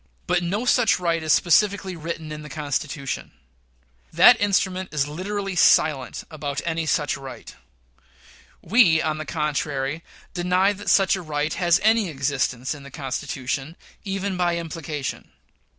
But no such right is specifically written in the Constitution. That instrument is literally silent about any such right. We, on the contrary, deny that such a right has any existence in the Constitution, even by implication.